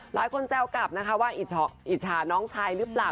แซวกลับนะคะว่าอิจฉาน้องชายหรือเปล่า